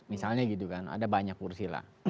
misalnya gitu kan ada banyak kursi lah